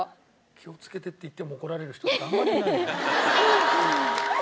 「気をつけて」って言っても怒られる人ってあんまりいないよね。